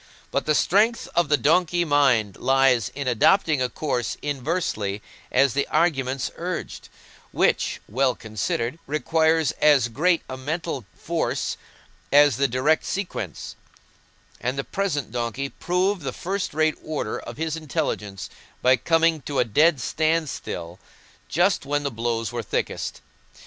But the strength of the donkey mind lies in adopting a course inversely as the arguments urged, which, well considered, requires as great a mental force as the direct sequence; and the present donkey proved the first rate order of his intelligence by coming to a dead standstill just when the blows were thickest.